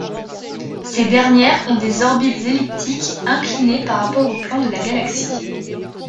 Ces dernières ont des orbites elliptiques inclinées par rapport au plan de la Galaxie.